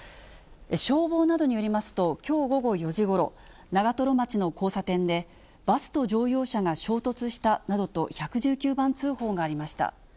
消防などによりますと、きょう午後４時ごろ、長瀞町の交差点で、バスと乗用車が衝突したなどと、１１９番通報がありました。